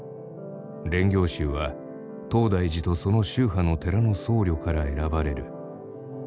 練行衆は東大寺とその宗派の寺の僧侶から選ばれる。